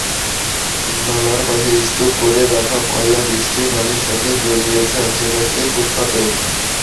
নালার পাশে স্তূপ করে রাখা ময়লা বৃষ্টির পানির সঙ্গে ছড়িয়েছে আশপাশের ফুটপাতেও।